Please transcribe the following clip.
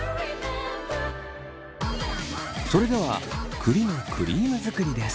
それでは栗のクリーム作りです。